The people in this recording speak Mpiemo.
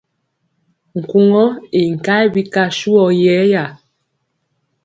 Nkugɔ ii nkayɛ bika suwɔ yɛya.